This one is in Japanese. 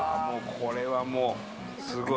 これはもう、すごい。